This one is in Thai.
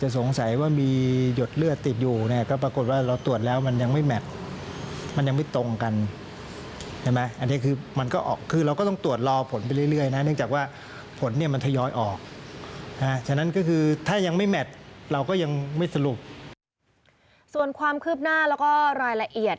ส่วนความคืบหน้าแล้วก็รายละเอียด